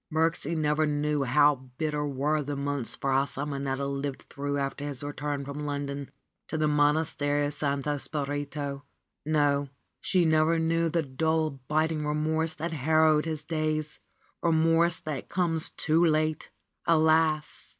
Birksie never knew how bitter were the months Fra Simonetta lived through after his return from London to the Monastery of Santo Spirito. No, she never knew the dull, biting remorse that harrowed his days, remorse that comes too late! Alas!